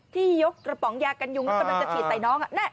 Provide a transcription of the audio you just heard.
ที่ยกกระป๋องยากันยุงอ่าต้องการฉีดใส่น้องอ่ะน่ะ